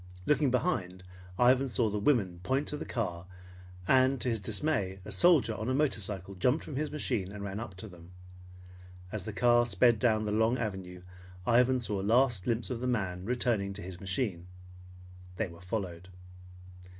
Looking behind, Ivan saw the women point to the car and to his dismay a soldier on a motorcycle jumped from his machine and ran up to them. As the car sped down the long avenue, Ivan saw a last glimpse of the man returning to his machine. They were followed.